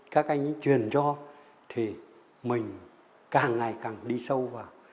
các anh ấy truyền cho thì mình càng ngày càng đi sâu vào